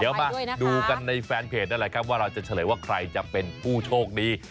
เดี๋ยวมาดูกันในแฟนเพจนั่นแหละครับว่าเราจะเฉลยว่าใครจะเป็นผู้โชคดี